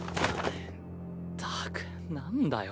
ったく何だよ。